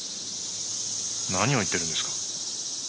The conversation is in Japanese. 何を言ってるんですか？